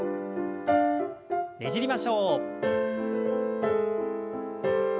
ねじりましょう。